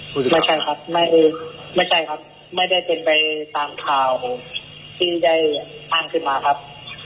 ไม่ใช่ครับไม่ได้เป็นไปตามข่าวที่ใจตั้งขึ้นมาครับ